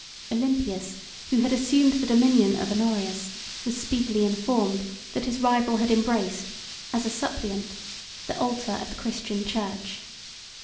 Olympius, who had assumed the dominion of Honorius, was speedily informed, that his rival had embraced, as a suppliant the altar of the Christian church.